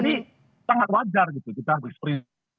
jadi sangat wajar gitu kita berespirasi